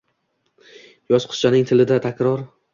yosh qizchaning tilida takror